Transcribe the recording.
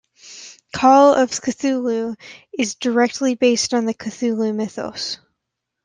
"Call of Cthulhu" is directly based on the Cthulhu Mythos.